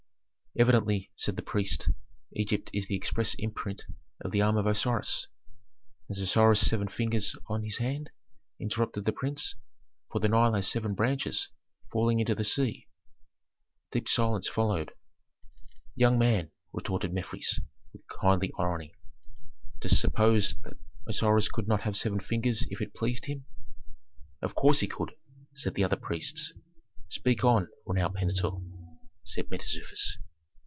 "Evidently," said the priest, "Egypt is the express imprint of the arm of Osiris." "Has Osiris seven fingers on his hand," interrupted the prince, "for the Nile has seven branches falling into the sea?" Deep silence followed. "Young man," retorted Mefres, with kindly irony, "dost suppose that Osiris could not have seven fingers if it pleased him?" "Of course he could!" said the other priests. "Speak on, renowned Pentuer," said Mentezufis.